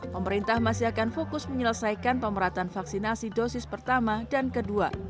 pemerintah masih akan fokus menyelesaikan pemerataan vaksinasi dosis pertama dan kedua